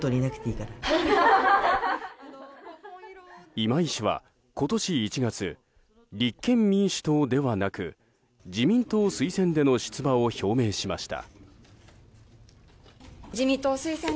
今井氏は今年１月立憲民主党ではなく自民党推薦での出馬を表明しました。